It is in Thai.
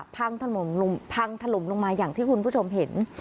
พังถล่มพังถล่มลงมาอย่างที่คุณผู้ชมเห็น